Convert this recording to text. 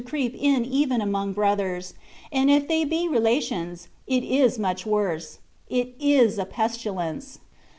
19 creep in even among brothers, and if they be relations, it is much worse — it is a pestilence.